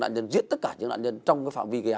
nếu chúng tôi không biết